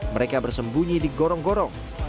mereka bersembunyi di gorong gorong